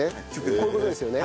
こういう事ですよね？